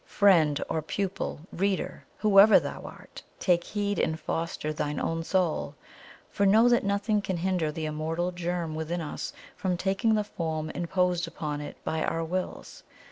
"Friend, or Pupil, Reader! Whoever thou art, take heed and foster thine own soul! For know that nothing can hinder the Immortal Germ within us from taking the form imposed upon it by our WILLS.